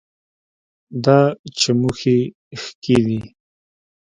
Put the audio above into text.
دا چموښي ښکي دي